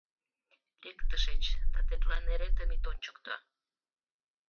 — Лек тышеч да тетла неретым ит ончыкто!